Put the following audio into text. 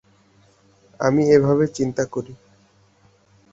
আমি এভাবে চিন্তা করি।